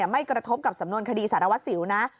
ไม่กระทบกับสำนวนคดีสารวัสสิวนะ